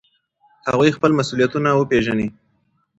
هغوی خپل مسؤلیتونه وپیژني.